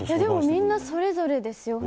みんなそれぞれですよ。